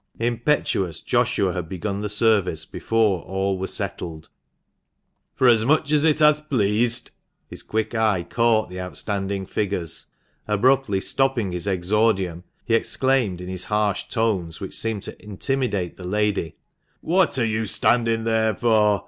Impetuous Joshua had begun the service before all were settled. " Forasmuch as it hath pleased " His quick eye caught the outstanding figures. Abruptly stopping his exordium, he exclaimed, in his harsh tones, which seemed to intimidate the lady, " What are you standing there for